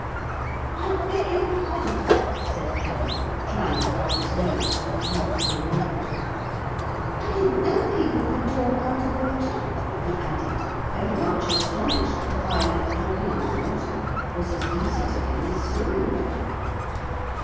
'I beg your pardon,' said Kenneth, trying to rub his nose, and not being able to. 'I didn't know people could talk under water,' he added very much astonished to find that talking under water was as easy to him as swimming there.